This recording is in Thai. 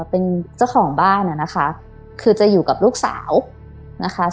เป็นเจ้าของบ้านนะคะคือจะอยู่กับลูกสาวนะคะ